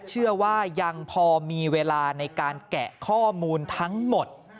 เชื่อว่ายังพอมีเวลาในการแกะข้อมูลทั้งหมด